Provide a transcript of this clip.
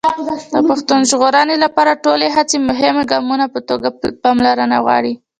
د پښتو د ژغورنې لپاره ټولې هڅې د مهمو ګامونو په توګه پاملرنه غواړي.